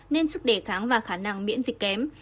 nên sức đề kháng và khả năng miễn dịch kém